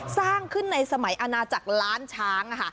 สร้างขึ้นในสมัยอาณาจักรล้านช้าง